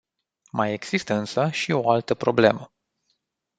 Mai există însă și o altă problemă.